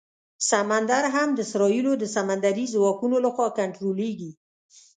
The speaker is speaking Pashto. سمندر هم د اسرائیلو د سمندري ځواکونو لخوا کنټرولېږي.